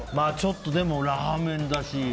でもラーメンだし。